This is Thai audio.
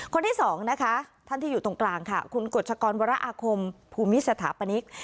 คนที่สองนะคะท่านที่อยู่ตรงกลางค่ะคุณกฎชกรวรอาคมภูมิสถาปนิก